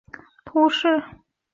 翁西厄人口变化图示